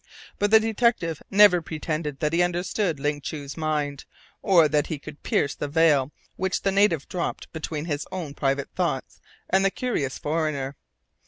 But the detective never pretended that he understood Ling Chu's mind, or that he could pierce the veil which the native dropped between his own private thoughts and the curious foreigner.